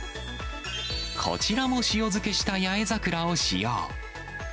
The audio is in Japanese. こちらも塩漬けした八重桜を使用。